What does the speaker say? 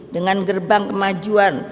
dengan gerbang kemajuan